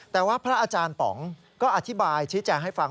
แต่ว่าพระอาจารย์ป๋องก็อธิบายชี้แจงให้ฟัง